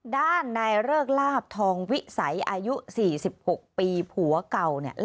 ด้านนายเริกลาบทองวิสัยอายุ๔๖ปีผัวเก่า